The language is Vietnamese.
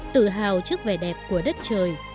tự hào trước vẻ đẹp của đất trời